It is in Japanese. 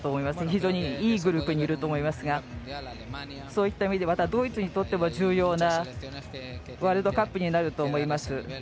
非常にいいグループにいると思いますがそういった意味でドイツにとっても重要なワールドカップになると思います。